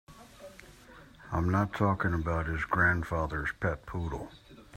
I'm not talking about his grandfather's pet poodle.